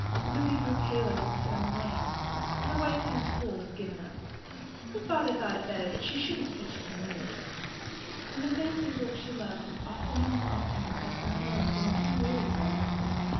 Ruby grew paler as the summer waned; the White Sands school was given up—"her father thought it better that she shouldn't teach till New Year's"—and the fancy work she loved oftener and oftener fell from hands grown too weary for it.